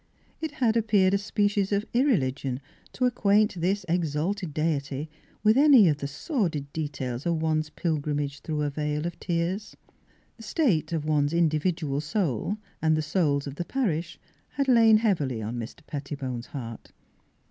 It had ap peared a species of irreligion to acquaint this exalted deity with any of the sordid details of one's pilgrimage through a vale of tears. The state of one's individual soul, and of the souls of the parish had lain heavy on Mr. Pettibone's heart.